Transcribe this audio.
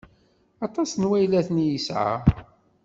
Aṭas n waylaten i yesɛa.